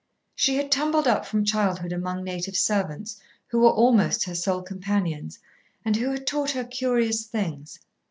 She had tumbled up from childhood among native servants, who were almost her sole companions, and who had taught her curious things.